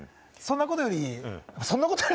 そんなことより。